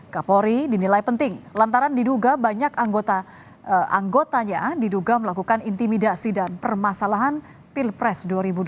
kapolri dinilai penting lantaran diduga banyak anggotanya diduga melakukan intimidasi dan permasalahan pilpres dua ribu dua puluh